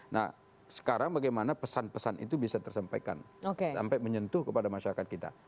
nah sekarang bagaimana pesan pesan itu bisa tersampaikan sampai menyentuh kepada masyarakat kita